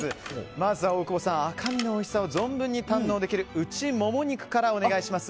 まずは大久保さん赤身のおいしさを存分に堪能できる内もも肉からお願いします。